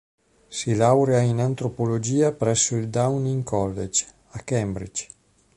Si laurea in antropologia presso il Downing College, a Cambridge.